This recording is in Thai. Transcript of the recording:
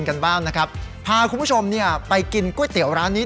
กันบ้างนะครับพาคุณผู้ชมเนี่ยไปกินก๋วยเตี๋ยวร้านนี้